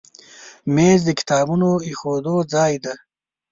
مېز د کتابونو د ایښودو ځای دی.